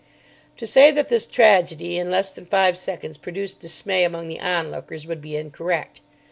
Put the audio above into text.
To say that this tragedy in less than five seconds produced dismay among the onlookers would be incorrect.